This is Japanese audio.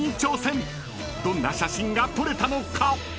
［どんな写真が撮れたのか⁉］